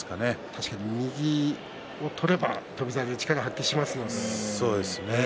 確かに右を取れば翔猿は力を発揮しますからね。